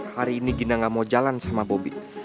hari ini gina ga mau jalan sama bobby